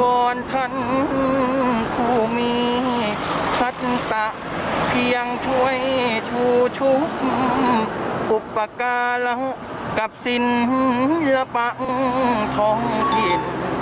บรรทันคู่มีทัศน์ตะเพียงช่วยชู่ชุกอุปกรณ์แล้วกับศิลปังทองเพลิน